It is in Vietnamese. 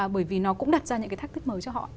bởi vì nó cũng đặt ra những cái thách thức mới cho họ